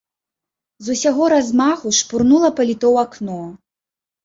З усяго размаху шпурнула паліто ў акно.